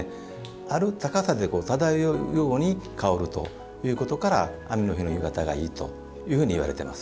ある高さで漂うように香るということから雨の日の夕方がいいというふうにいわれています。